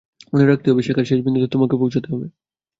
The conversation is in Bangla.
মনে রাখতে হবে, শেখার শেষ বিন্দুতে তোমাকে পৌঁছাতে হবে।